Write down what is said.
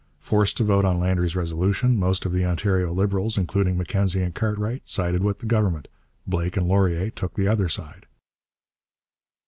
Forced to vote on Landry's resolution, most of the Ontario Liberals, including Mackenzie and Cartwright, sided with the Government; Blake and Laurier took the other side.